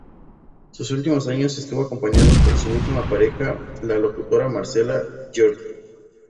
Sus últimos años estuvo acompañado por su última pareja la locutora Marcela Giorgi.